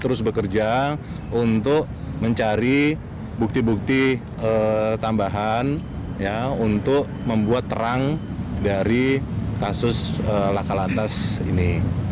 untuk membuat terang dari kasus lakal atas ini